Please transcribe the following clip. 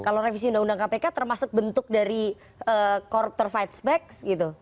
kalau revisi undang undang kpk termasuk bentuk dari corruptor fight back gitu